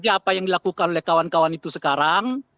kita lihat saja apa yang dilakukan oleh kawan kawan itu sekarang